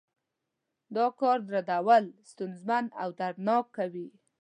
دا کار رودل ستونزمن او دردناک کوي.